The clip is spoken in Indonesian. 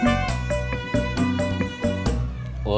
tukang kompa yang lu susulin gak nemu